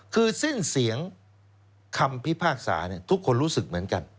คือสิ้นเสียงคำพิพากษาทุกคนรู้สึกเหมือนกัน